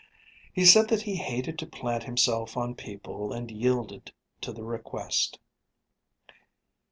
He said that he hated to plant himself on people, and yielded to the request.